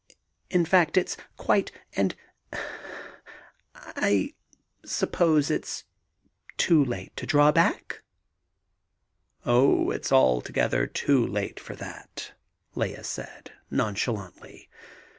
In fact, it's quite and eh ... I suppose it's too late to draw back?" "Oh, it's altogether too late for that" Lea said, nonchalantly.